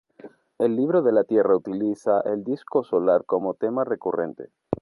El Libro de la Tierra utiliza el disco solar como tema recurrente.